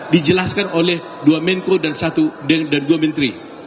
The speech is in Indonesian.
dijelaskan oleh dua menko dan dua menteri